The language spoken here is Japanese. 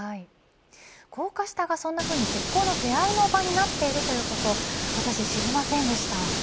高架下がそんなふうに絶好の出会いの場になっているということ私、知りませんでした。